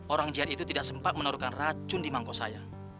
orang jihad itu tidak sempat menurunkan racun di mangkok saya